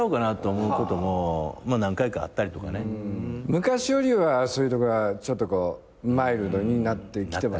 昔よりはそういうところはちょっとマイルドになってきてますよね。